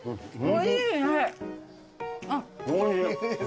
おいしいね。